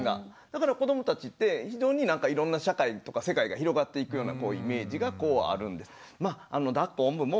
だから子どもたちって非常にいろんな社会とか世界が広がっていくようなイメージがこうあるんです。